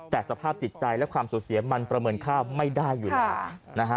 แต่สภาพจิตใจและความสูญเสียมันประเมินค่าไม่ได้อยู่แล้วนะฮะ